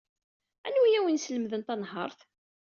Anwa ay awen-yeslemden tanhaṛt?